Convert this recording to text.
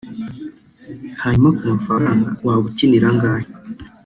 hanyuma ku mafaranga (waba ukinira angahe)